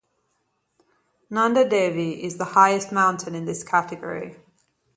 Nanda Devi is the highest mountain in this category.